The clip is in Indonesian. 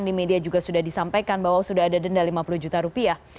di media juga sudah disampaikan bahwa sudah ada denda lima puluh juta rupiah